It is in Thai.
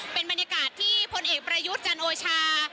เป็นบรรยากาศที่พลเอกประยุทธ์จันโอชา